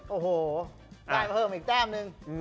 โอ้โหได้เพิ่มอีกแต้มนึง